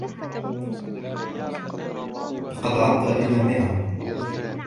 لقد عد الي مائه.